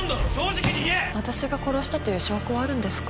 私が殺したという証拠はあるんですか？